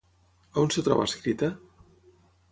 On es troba escrita?